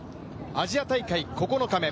アジア大会９日目。